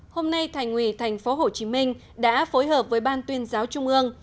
hôm nay thành ủy tp hcm đã phối hợp với ban tuyên giáo trung ương